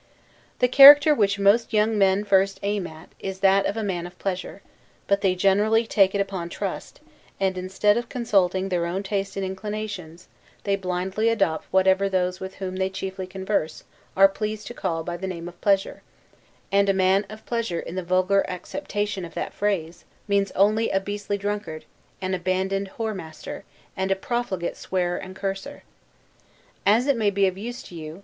The character which most young men first aim at, is that of a man of pleasure; but they generally take it upon trust; and instead of consulting their own taste and inclinations, they blindly adopt whatever those with whom they chiefly converse, are pleased to call by the name of pleasure; and a man of pleasure in the vulgar acceptation of that phrase, means only, a beastly drunkard, an abandoned whoremaster, and a profligate swearer and curser. As it may be of use to you.